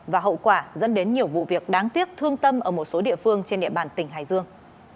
và hậu quả dẫn đến nhiều vụ việc đáng tiếc thương tâm ở một số địa phương trên địa bàn tỉnh hải dương